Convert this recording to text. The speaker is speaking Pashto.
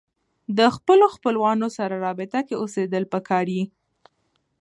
د خپلو خپلوانو سره رابطه کې اوسېدل پکار يي